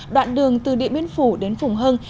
đoạn đường từ địa biên phủ đến phùng hưng